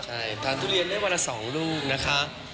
ใช่ทานทุเรียนได้วันละ๒ลูกนะคะ